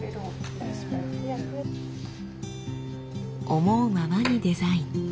思うままにデザイン。